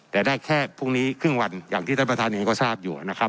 แต่ได้แค่พรุ่งนี้ครึ่งวันอย่างที่ท่านประธานเองก็ทราบอยู่นะครับ